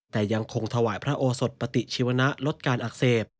แต่ยังคงถวายพระโอสดปฏิชีวนะลดการอักเสบ